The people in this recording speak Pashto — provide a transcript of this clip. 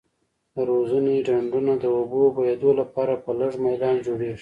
د روزنې ډنډونه د اوبو بهیدو لپاره په لږ میلان جوړیږي.